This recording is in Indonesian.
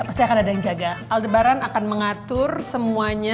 pasti ada yang jaga aldebaran akan mengatur semuanya